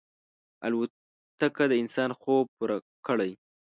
الوتکه د انسان خوب پوره کړی.